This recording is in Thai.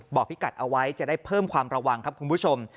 พิกัดเอาไว้จะได้เพิ่มความระวังครับคุณผู้ชม